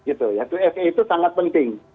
itu ya dua fa itu sangat penting